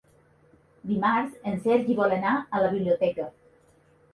Dimarts en Sergi vol anar a la biblioteca.